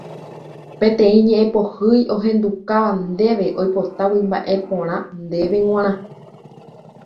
Peteĩ ñe'ẽpohýi ohendukáva ndéve oipotágui mba'e porã ndéve g̃uarã